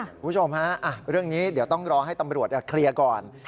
คุณผู้ชมฮะเรื่องนี้เดี๋ยวต้องรอให้ตำรวจเคลียร์ก่อน